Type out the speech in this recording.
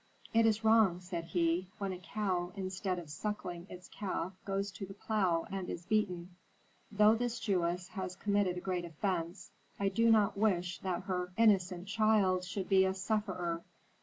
"It is wrong," said he, "when a cow instead of suckling its calf goes to the plough and is beaten. Though this Jewess has committed a great offence, I do not wish that her innocent child should be a sufferer.